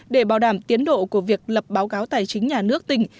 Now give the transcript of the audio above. để bảo đảm tiến độ của việc lập báo cáo tài chính nhà nước tỉnh